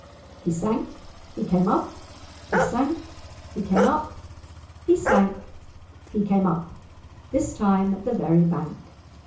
He sank ... he came up ... he sank ... he came up ... he sank ... he came up, this time at the very bank.